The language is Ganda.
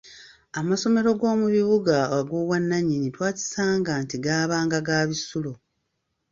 Amasomero g’omu bibuga ag’obwannannyini twakisanga nti gaabanga ga kisulo.